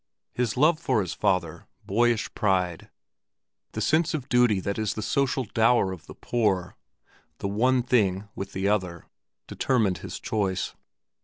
His love for his father, boyish pride, the sense of duty that is the social dower of the poor—the one thing with the other—determined his choice.